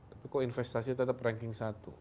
tapi kok investasi tetap ranking satu